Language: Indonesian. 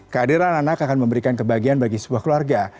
kehadiran anak akan memberikan kebahagiaan bagi sebuah keluarga